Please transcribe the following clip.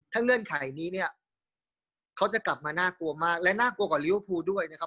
เงื่อนไขนี้เนี่ยเขาจะกลับมาน่ากลัวมากและน่ากลัวกว่าลิเวอร์พูลด้วยนะครับ